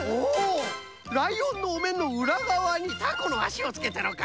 ライオンのおめんのうらがわにたこのあしをつけたのか。